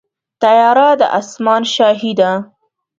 طیاره د اسمان شاهي ده.